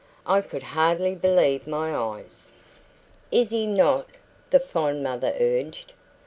"I could hardly believe my eyes." "Is he not?" the fond mother urged.